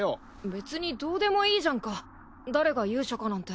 別にどうでもいいじゃんか誰が勇者かなんて。